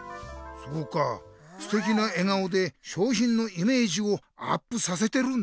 そうかすてきな笑顔でしょうひんのイメージをアップさせてるんだね。